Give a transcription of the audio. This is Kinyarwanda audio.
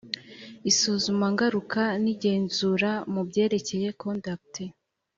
isuzumangaruka n igenzura mu byerekeye conduct